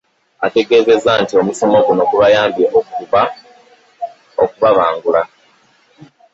Ategeezezza nti omusomo guno gubayambye okubabangula.